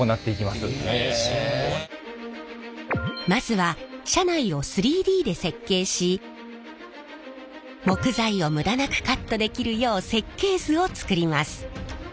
まずは車内を３Ｄで設計し木材を無駄なくカットできるよう設計図を作ります。